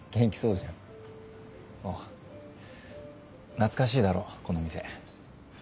懐かしいだろこの店。